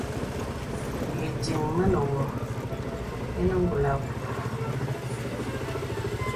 Ìdiŋ mə̀ nə̀ wɔ̄ ònə kùl abùù.